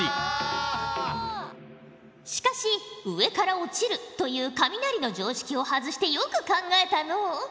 しかし上から落ちるという雷の常識を外してよく考えたのう。